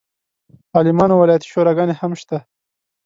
عالمانو ولایتي شوراګانې هم شته.